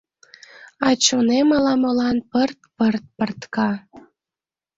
А чонем ала-молан пырт-пырт пыртка.